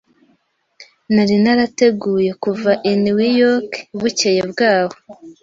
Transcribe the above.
Nari narateguye kuva i New York bukeye bwaho.